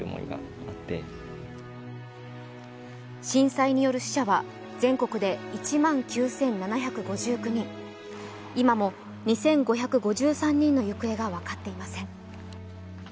震災による死者は全国で１万９７５９人、今も２５５３人の行方が分かっていません。